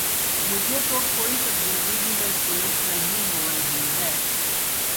مجھے تو کوئی تبدیلی بھی محسوس نہیں ہو رہی ہے۔